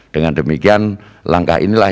dengan demikian langkah inilah